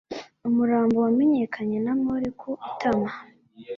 umurambo wamenyekanye na mole ku itama